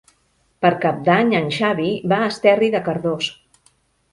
Per Cap d'Any en Xavi va a Esterri de Cardós.